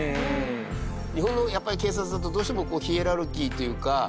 日本の警察だとどうしてもヒエラルキーというか。